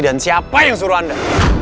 dan siapa yang suruh anda